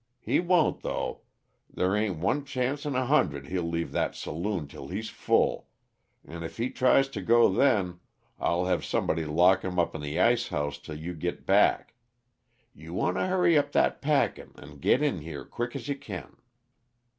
He won't, though; there ain't one chancet in a hundred he'll leave that saloon till he's full an' if he tries t' go then, I'll have somebody lock 'im up in the ice house till you git back. You want to hurry up that packin', an' git in here quick's you can."